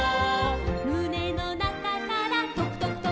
「むねのなかからとくとくとく」